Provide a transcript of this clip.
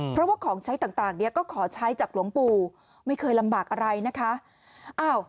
เพราะว่าของใช้ต่างนี้ก็ขอใช้จากหลวงปู่ไม่เคยลำบากอะไรนะคะ